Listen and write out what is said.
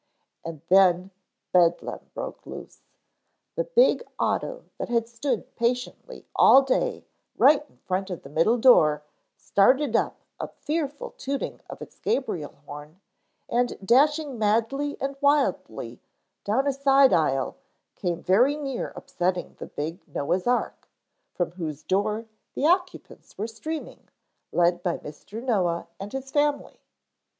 And then bedlam broke loose. The big auto that had stood patiently all day right in front of the middle door started up a fearful tooting of its Gabriel horn and dashing madly and wildly down a side aisle came very near upsetting the big Noah's Ark, from whose door the occupants were streaming, led by Mr. Noah and his family.